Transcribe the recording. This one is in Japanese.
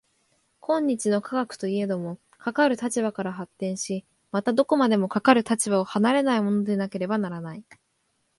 今日の科学といえども、かかる立場から発展し、またどこまでもかかる立場を離れないものでなければならない。